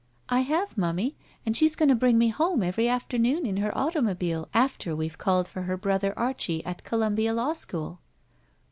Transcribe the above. "I have, momie, and she's going to bring me home every afternoon in their automobile after we've called for her brother Archie at Columbia Law School."